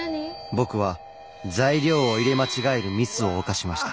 僕は材料を入れ間違えるミスを犯しました。